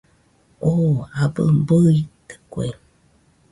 Oo abɨ bɨitɨkue